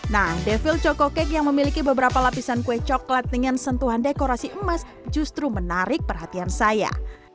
nah devil chococake yang memiliki beberapa lapisan kue coklat dengan sentuhan dekorasi emas justru menarik perhatian saya